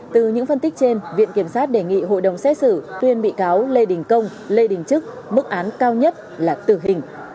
từ những phân tích trên viện kiểm sát đề nghị hội đồng xét xử tuyên bị cáo lê đình công lê đình trức mức án cao nhất là tử hình